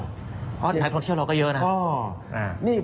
นะครับที่เราเข้าที่เราก็เยอะนะ